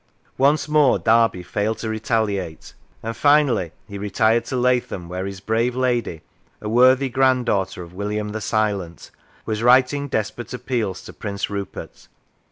Once more Derby failed to retaliate, and finally he retired to Lathom, where his brave lady, a worthy grand daughter of William the Silent, was writing desperate appeals to Prince Rupert.